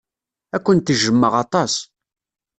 Ad kent-jjmeɣ aṭas.